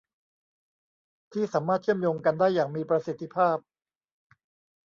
ที่สามารถเชื่อมโยงกันได้อย่างมีประสิทธิภาพ